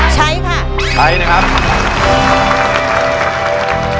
ใช้ค่ะใช้นะครับ